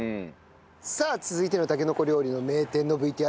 さあ続いてのたけのこ料理の名店のＶＴＲはこちらです。